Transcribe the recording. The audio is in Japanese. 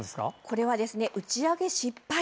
これは打ち上げ失敗。